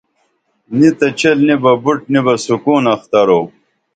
نی تہ چیل نی بُٹ نی بہ سکون اخترو